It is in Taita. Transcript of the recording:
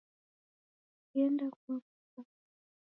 Diende kua masaka